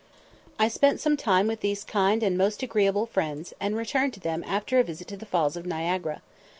I spent some time with these kind and most agreeable friends, and returned to them after a visit to the Falls of Niagara.